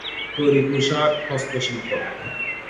তৈরি পোশাক, হস্তশিল্প।